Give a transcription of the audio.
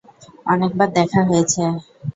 অনেকবার দেখা হয়েছে।